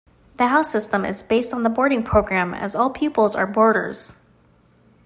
The house system is based on the boarding programme as all pupils are boarders.